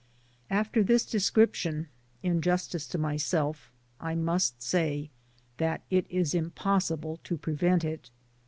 After this description, injustice to myself^ I must say, that it is impossible to prevent it.